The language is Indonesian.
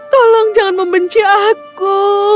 tolong jangan membenci aku